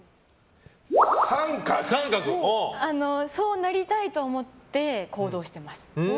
そうなりたいと思って行動してます。